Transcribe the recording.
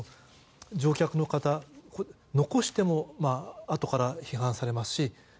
乗客の方を残してもあとから批判されますし